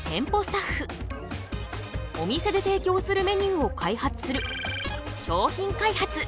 お店で提供するメニューを開発する商品開発。